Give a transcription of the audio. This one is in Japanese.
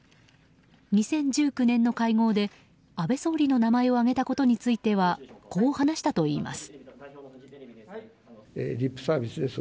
２０１９年の会合で、安倍総理の名前を挙げたことについてはこう話したといいます。